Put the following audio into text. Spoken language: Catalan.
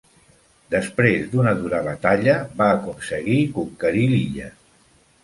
Després d'una dura batalla, va aconseguir conquerir l'illa.